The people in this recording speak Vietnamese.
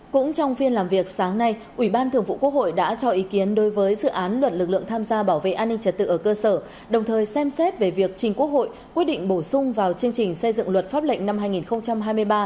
cũng trong phiên làm việc sáng nay ủy ban thường vụ quốc hội đã cho ý kiến đối với dự án luật lực lượng tham gia bảo vệ an ninh trật tự ở cơ sở đồng thời xem xét về việc trình quốc hội quyết định bổ sung vào chương trình xây dựng luật pháp lệnh năm hai nghìn hai mươi ba